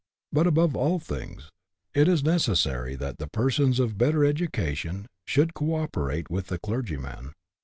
But, above all things, it is necessary that the persons of better education should co operate with the clergyman.